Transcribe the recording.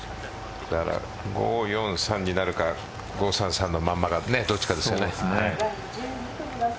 ５、４、３になるか５、３、３のままかどっちかですね。